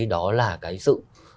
đó là cái sự